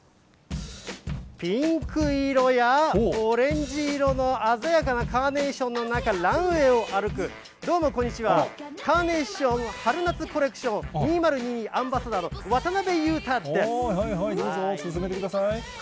ピンク色や、オレンジ色の鮮やかなカーネーションの中、ランウエーを歩く、どうもこんにちは、カーネーション・春夏コレクション２０２２アンバサダーの渡辺裕いいぞ、進めてください。